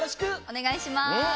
おねがいします。